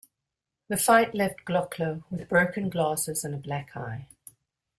The fight left Glockler with broken glasses and a black eye.